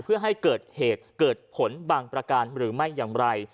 เพื่อให้เกิดเหตุเกิดผลบางประการหรือไม่อย่างไร